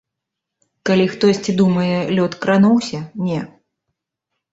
Калі хтосьці думае, лёд крануўся, не.